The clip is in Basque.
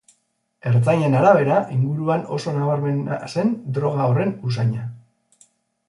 Ertzainen arabera, inguruan oso nabarmena zen droga horren usaina.